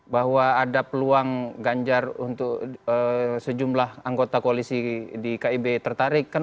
bahwa ada peluang ganjar untuk sejumlah anggota koalisi di kib tertarik kan